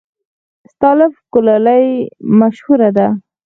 استالف کلالي مشهوره ده؟